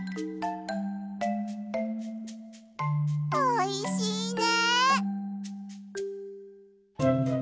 おいしいね！